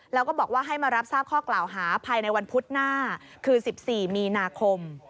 แล้วก็บอกว่าให้มารับทราบข้อกล่าวหาภายในวันพุธหน้าคือ๑๔มีนาคม